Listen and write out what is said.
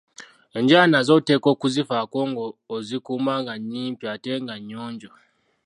Enjala nazo oteekwa okuzifaako nga ozikuuma nga nnyimpi ate nga nnyonjo.